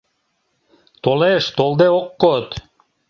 Толеш, толде ок код...